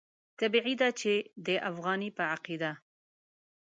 طبیعي ده چې د افغاني په عقیده.